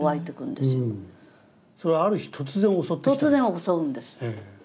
それはある日突然襲ってきたんですか？